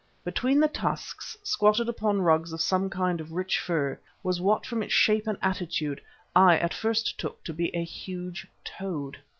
Between the tusks, squatted upon rugs of some kind of rich fur, was what from its shape and attitude I at first took to be a huge toad.